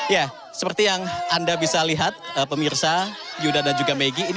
ya seperti yang anda bisa lihat pemirsa yuda dan juga maggie